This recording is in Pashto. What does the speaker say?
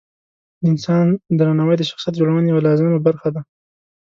د انسان درناوی د شخصیت جوړونې یوه لازمه برخه ده.